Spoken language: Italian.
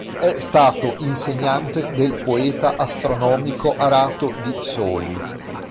È stato insegnante del poeta astronomico Arato di Soli.